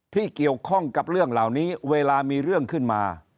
ที่เกี่ยวข้องกับเรื่องเหล่านี้เวลามีเรื่องขึ้นมา